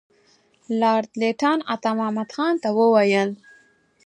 لارډ لیټن عطامحمد خان ته وویل.